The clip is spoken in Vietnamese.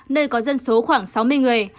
nơi có dân số khoảng sáu mươi người